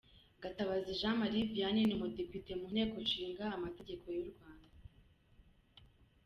Gatabazi Jean Marie Vianney ni umudepite mu Nteko Ishinga Amategeko y’u Rwanda